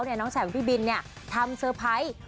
น้องชายของพี่บินทำเซอร์ไพรส์